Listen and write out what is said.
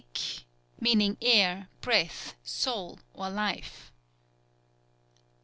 _ Meaning air, breath, soul, or life.